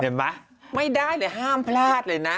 เห็นไหมไม่ได้หรือห้ามพลาดเลยนะ